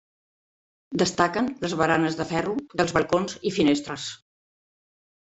Destaquen les baranes de ferro dels balcons i finestres.